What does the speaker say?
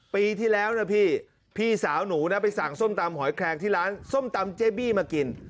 ปีที่แล้วนะพี่พี่สาวหนูนะไปสั่งส้มตำหอยแคลงที่ร้านส้มตำเจบี้มากิน